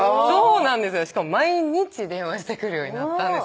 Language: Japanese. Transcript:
しかも毎日電話してくるようになったんです